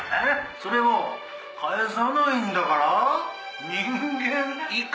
それを返さないんだから人間以下。